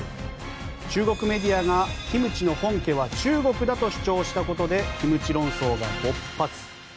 中国メディアがキムチの本家は中国だと主張したことでキムチ論争が勃発。